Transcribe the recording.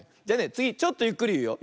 つぎちょっとゆっくりいうよ。